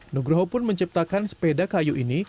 nugroho pun menciptakan sepeda kayu ini